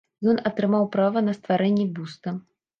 Ён атрымаў права на стварэнне бюста.